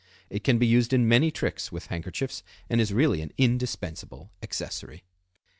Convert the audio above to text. It can be used in many tricks with handkerchiefs, and is really an indispensable accessory.